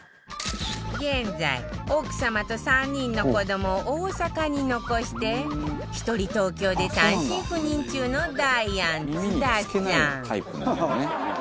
現在奥様と３人の子どもを大阪に残して１人東京で単身赴任中のダイアン津田さん